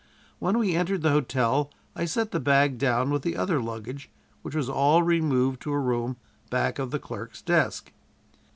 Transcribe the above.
When we entered the hotel I set the bag down with the other luggage, which was all removed to a room back of the clerk's desk.